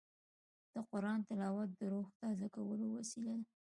د قرآن تلاوت د روح تازه کولو وسیله ده.